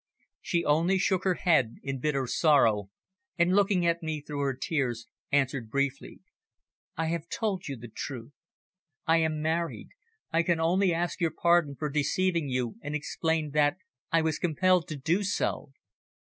She only shook her head in bitter sorrow, and looking at me through her tears, answered briefly "I have told you the truth. I am married. I can only ask your pardon for deceiving you and explain that I was compelled to do so."